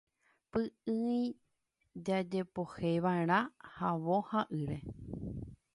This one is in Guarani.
Py'ỹi jajepoheiva'erã havõ ha ýre.